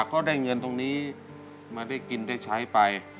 เขาได้เงินตรงนี้มาได้กินได้ใช้ไป